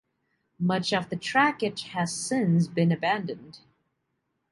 Much of the trackage has since been abandoned.